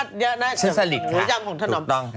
แม่เนี้ยน่าจะเสียสลิตค่ะตูดุต้องค่ะ